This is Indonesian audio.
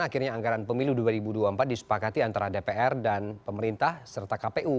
akhirnya anggaran pemilu dua ribu dua puluh empat disepakati antara dpr dan pemerintah serta kpu